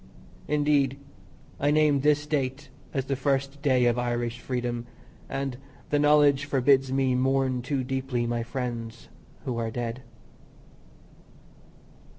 Indeed, I name this date as the first day of Irish freedom, and the knowledge forbids me mourn too deeply my friends who are dead.